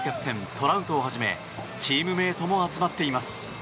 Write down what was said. トラウトをはじめチームメートも集まっています。